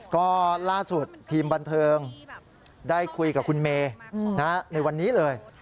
ก็ล่าสุดทีมบันเทิงได้คุยกับคุณเมย์ในวันนี้เลย